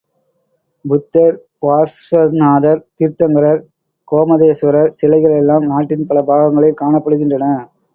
புத்தர், பார்ஸ்வநாதர், தீர்த்தங்கரர், கோமதேஸ்வரர் சிலைகள் எல்லாம் நாட்டின் பல பாகங்களில் காணப்படுகின்றன.